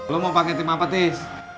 lo mau pake tim apa tis